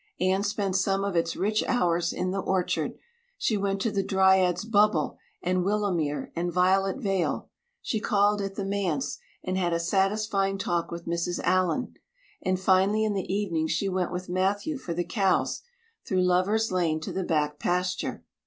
Anne spent some of its rich hours in the orchard; she went to the Dryad's Bubble and Willowmere and Violet Vale; she called at the manse and had a satisfying talk with Mrs. Allan; and finally in the evening she went with Matthew for the cows, through Lovers' Lane to the back pasture.